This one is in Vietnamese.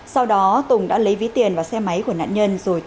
sau đó tùng đã lấy ví tiền và xe máy của nạn nhân rồi tẩu thoát